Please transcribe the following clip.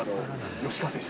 吉川選手？